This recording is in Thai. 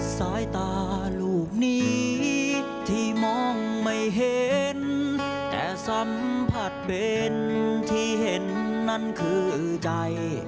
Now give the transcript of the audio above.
สายตาลูกนี้ที่มองไม่เห็นแต่สัมผัสเป็นที่เห็นนั้นคือใจ